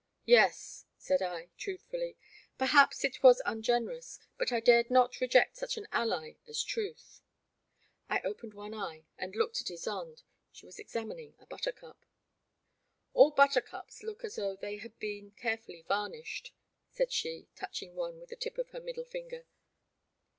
Yes," said I, truthfully. Perhaps it was un generous, but I dared not reject such an ally as truth. I opened one eye and looked at Ysonde. She was examining a buttercup. All buttercups look as though they had been carefully varnished," said she, touching one with the tip of her middle finger.